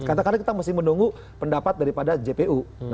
katakanlah kita mesti menunggu pendapat daripada jpu